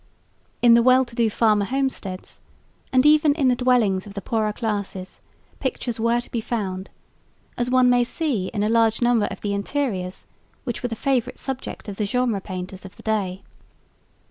In the well to do farmer homesteads and even in the dwellings of the poorer classes pictures were to be found, as one may see in a large number of the "interiors" which were the favourite subject of the genre painters of the day.